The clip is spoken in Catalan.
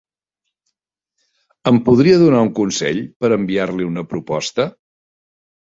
Em podria donar un consell per enviar-li una proposta?